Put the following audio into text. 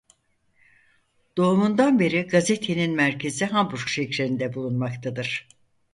Doğumundan beri gazetenin merkezi Hamburg şehrinde bulunmaktadır.